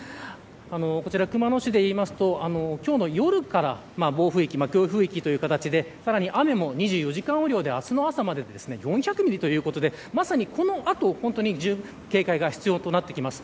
こちら熊野市でいいますと今日の夜から暴風域強風域という形でさらに雨も２４時間雨量で明日の朝まで４００ミリということでまさにこの後、本当に警戒が必要となってきます。